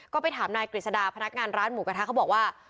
ก็ไปถามนายกฤษดาพนักงานร้านหมูกระทะเขาบอกว่า